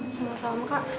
semua sama kak